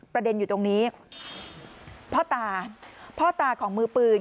ประเด็นอยู่ตรงนี้พ่อตาพ่อตาของมือปืน